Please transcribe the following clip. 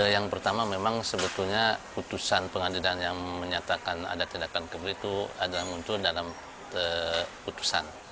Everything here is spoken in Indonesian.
yang pertama memang sebetulnya putusan pengadilan yang menyatakan ada tindakan seperti itu adalah muncul dalam putusan